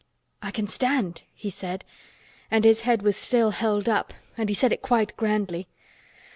"I can stand," he said, and his head was still held up and he said it quite grandly.